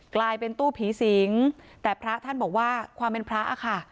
กลายเป็นตู้ผีสิงแต่พระท่านบอกว่าความเป็นพระอะค่ะ